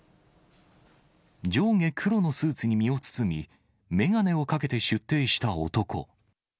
上下黒のスーツに身を包み、眼鏡をかけて出廷した男。